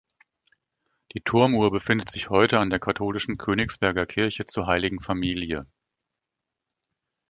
Die Turmuhr befindet sich heute an der katholischen Königsberger Kirche zur Heiligen Familie.